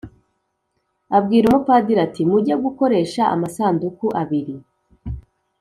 abwira umupadiri ati: "Mujye gukoresha amasanduku abiri